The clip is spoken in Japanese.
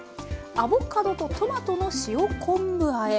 アボカドとトマトの塩昆布あえ。